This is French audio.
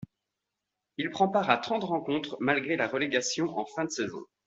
Il prend part à trente rencontres malgré la relégation en fin de saison.